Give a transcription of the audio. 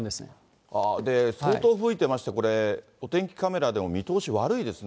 相当ふぶいてまして、お天気カメラでも見通し悪いですね。